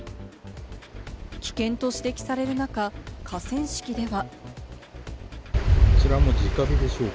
危険と指摘される中、河川敷では。